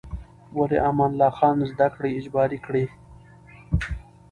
ولې امان الله خان زده کړې اجباري کړې؟